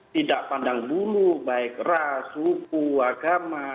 tidak pandang bulu baik ras suku agama